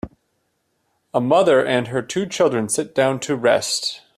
A mother and her two children sit down to rest